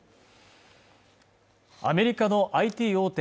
アメリカのＩＴ大手